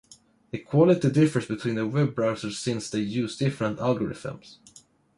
The quality differs between the web browsers since they use different algorithms.